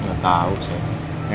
nggak tau sayang